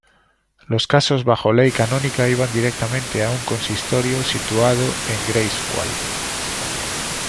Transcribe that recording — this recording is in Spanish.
Los casos bajo ley canónica iban directamente a un consistorio situado en Greifswald.